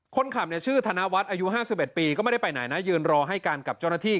คนขับเนี่ยชื่อธนวัฒน์อายุ๕๑ปีก็ไม่ได้ไปไหนนะยืนรอให้กันกับเจ้าหน้าที่